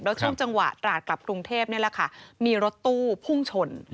แล้วช่วงจังหวะตราดกลับกรุงเทพนี่แหละค่ะมีรถตู้พุ่งชน